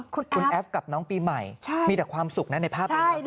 คุณแอฟกับน้องปีใหม่มีแต่ความสุขนะในภาพนี้